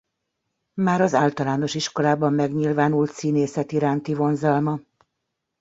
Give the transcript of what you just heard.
Már az általános iskolában megnyilvánult színészet iránti vonzalma.